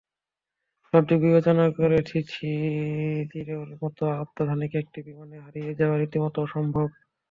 সবদিক বিবেচনা করে এ-থ্রিথ্রিজিরোর মতো অত্যাধুনিক একটা বিমানের হারিয়ে যাওয়া রীতিমতো অসম্ভব।